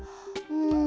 うん。